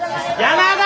山田！